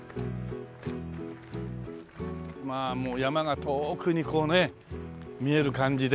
まあ山が遠くにこうね見える感じで。